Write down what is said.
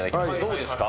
どうですか？